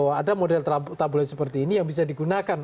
bahwa ada model tabloid seperti ini yang bisa digunakan